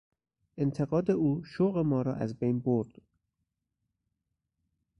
انتقاد او شوق ما را از بین برد.